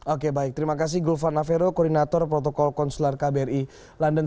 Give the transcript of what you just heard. oke baik terima kasih gulvan navero koordinator protokol konsuler kbri london